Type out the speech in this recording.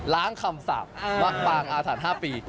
คำสาปปางอาถรรพ์๕ปี